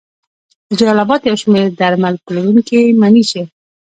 د جلال اباد یو شمېر درمل پلورونکي مني چې